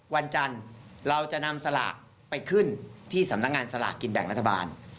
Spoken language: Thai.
วันจันทร์เราจะนำสลากไปขึ้นที่สำนักงานสลากกินแบ่งรัฐบาล